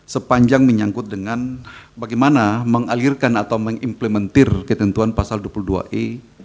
sepanjang menyangkut dengan bagaimana mengalirkan atau mengimplementer ketentuan pasal dua puluh dua e